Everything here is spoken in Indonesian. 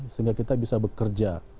sehingga kita bisa bekerja